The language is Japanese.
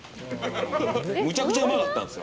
むちゃくちゃうまかったんですよ。